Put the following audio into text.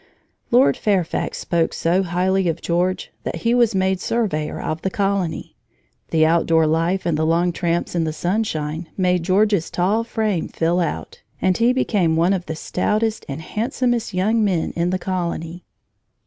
Lord Fairfax spoke so highly of George that he was made surveyor of the colony. The outdoor life, and the long tramps in the sunshine made George's tall frame fill out, and he became one of the stoutest and handsomest young men in the colony.